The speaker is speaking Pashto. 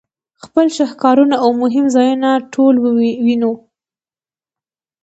خپل شهکارونه او مهم ځایونه ټول وینو.